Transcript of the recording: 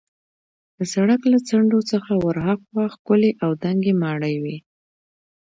د سړک له څنډو څخه ورهاخوا ښکلې او دنګې ماڼۍ وې.